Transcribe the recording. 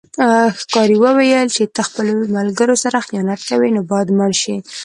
ښکاري وویل چې ته خپلو ملګرو سره خیانت کوې نو باید مړه شې.